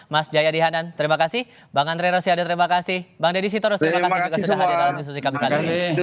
mas jayadi hanan terima kasih bang andre rosiade terima kasih bang deddy sitorus terima kasih juga sudah hadir dalam diskusi kami kali ini